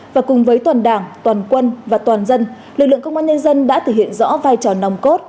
và cùng với toàn đảng toàn quân và toàn dân lực lượng công an nhân dân đã thể hiện rõ vai trò nòng cốt